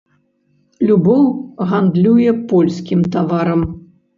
Любоў гандлюе польскім таварам.